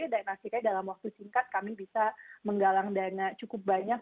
dan akhirnya dalam waktu singkat kami bisa menggalang dana cukup banyak